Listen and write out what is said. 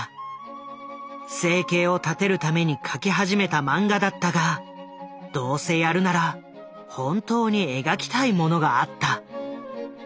生計を立てるために描き始めたマンガだったがどうせやるなら本当に描きたいものがあった。